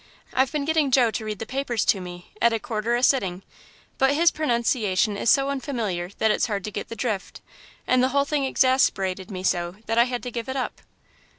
I've been getting Joe to read the papers to me, at a quarter a sitting, but his pronunciation is so unfamiliar that it's hard to get the drift, and the whole thing exasperated me so that I had to give it up."